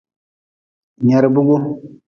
Nyerbigu.